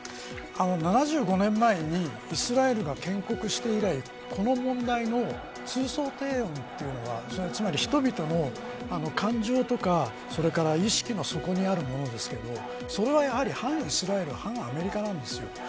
７５年前にイスラエルが建国して以来この問題の通奏低音というのがつまり人々の感情とか意識の底にあるものですけどそれはやはり反イスラエル反アメリカなんです。